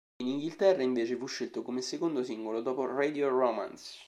In Inghilterra invece fu scelto come secondo singolo, dopo "Radio Romance".